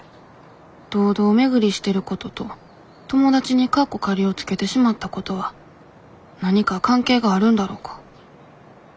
堂々巡りしてることと友達にをつけてしまったことは何か関係があるんだろうか。